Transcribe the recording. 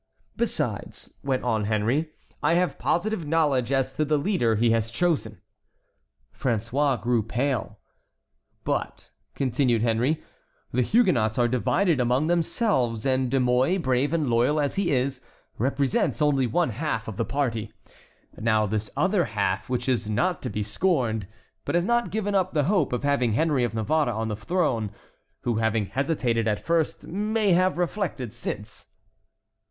"Besides," went on Henry, "I have positive knowledge as to the leader he has chosen." François grew pale. "But," continued Henry, "the Huguenots are divided among themselves, and De Mouy, brave and loyal as he is, represents only one half of the party. Now this other half, which is not to be scorned, has not given up the hope of having Henry of Navarre on the throne, who having hesitated at first may have reflected since."